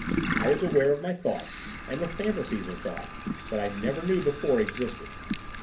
I was aware of thoughts, and the fantasies of thoughts, that I never knew before existed.